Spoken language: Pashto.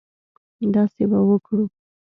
داسې به وکړو.